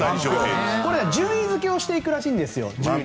これは順位付けをしていくらしいんです。